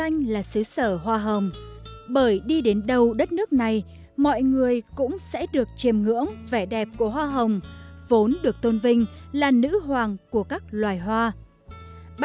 ngoài việc tổ chức tuần phim chào mừng tại nhà hát âu cơ hàm